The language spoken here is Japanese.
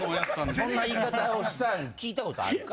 そんな言い方をしたん聞いたことあるか？